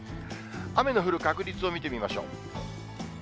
雨の降る確率を見てみましょう。